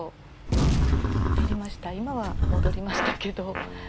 今は戻りましたけど。